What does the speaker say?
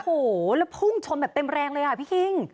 โอ้โหแล้วพุ่งชนแบบเต็มแรงเลยอ่ะพี่คิง